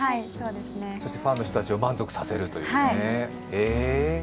そしてファンの人たちを満足させるというね。